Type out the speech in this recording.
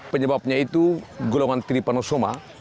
penyebabnya itu golongan tripanosoma